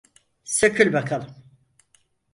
Sökül bakalım.